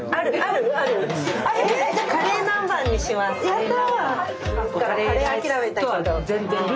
やった！